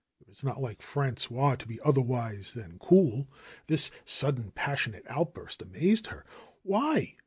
It was not like Frangois to be otherwise than cool. This sudden, pas sionate outburst amazed her. ^'Why